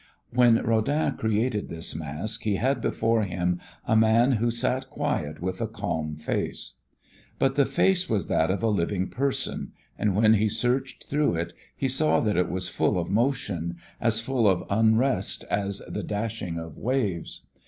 When Rodin created this mask he had before him a man who sat quiet with a calm face. But the face was that of a living person and when he searched through it he saw that it was as full of motion, as full of unrest as the dashing of waves.